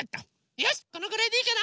よしこのぐらいでいいかな。